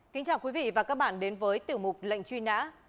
kính chào quý vị và các bạn đến với tiểu mục lệnh truy nã